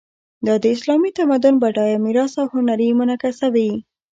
دا د اسلامي تمدن بډایه میراث او هنر منعکسوي.